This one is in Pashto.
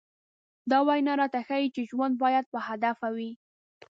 دا وينا راته ښيي چې ژوند بايد باهدفه وي.